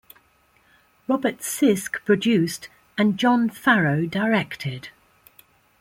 Robert Sisk produced and John Farrow directed.